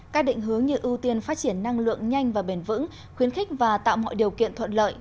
các định hướng như ưu tiên phát triển năng lượng nhanh và bền vững khuyến khích và tạo mọi điều kiện thuận lợi